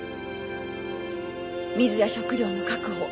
水や食料の確保